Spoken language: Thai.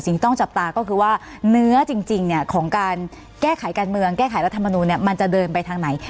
ต้องจับตาก็คือว่าเนื้อจริงของการแก้ไขการเมืองแก้ไขรัฐมนูลมันจะเดินไปทางไหน